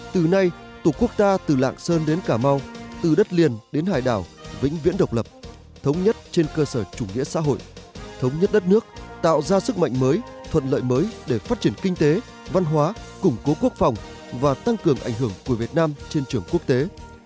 từ nay tổ quốc ta từ lạng sơn đến cà mau từ đất liền đến hải đảo vĩnh viễn độc lập thống nhất trên cơ sở chủ nghĩa xã hội thống nhất đất nước tạo ra sức mạnh mới thuận lợi mới để phát triển kinh tế văn hóa củng cố quốc phòng và tăng cường ảnh hưởng của việt nam trên trường quốc tế